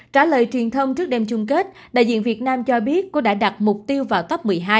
trả lời truyền thông trước đêm chung kết đại diện việt nam cho biết cô đã đặt mục tiêu vào top một mươi hai